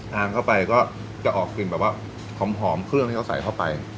ทานเข้าไปก็จะออกกลิ่นแบบว่าหอมเครื่องที่เขาใส่เข้าไป